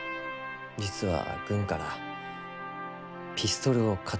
実は軍からピストルを買ってこいと。